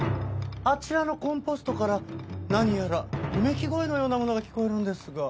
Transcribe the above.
あちらのコンポストから何やらうめき声のようなものが聞こえるんですが。